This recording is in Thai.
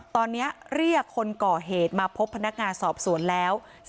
ตอนนี้เรียกคนก่อเหตุมาพบพนักงานสอบสวนแล้ว